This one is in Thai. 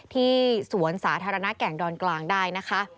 ที่สวนสาธารณะแก่งดอนกลางได้นะคะ